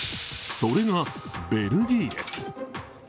それが、ベルギーです。